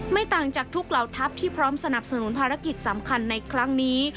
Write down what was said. ต่างจากทุกเหล่าทัพที่พร้อมสนับสนุนภารกิจสำคัญในครั้งนี้